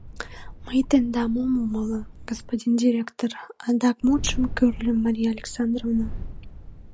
— Мый тендам ом умыло, господин директор, — адак мутшым кӱрльӧ Мария Александровна.